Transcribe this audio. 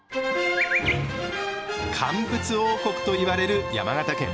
「乾物王国」と言われる山形県。